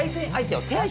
はい。